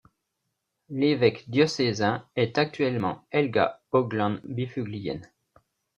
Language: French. L'évêque diocésien est actuellement Helga Haugland Byfuglien.